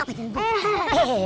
apa jangan kong